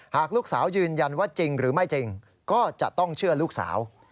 หากลูกสาวยืนยันว่าจริงหรือไม่จริงก็จะต้องเชื่อลูกสาว